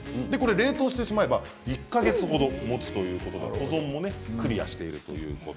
冷凍してしまえば１か月程もつということで保存もクリアしています。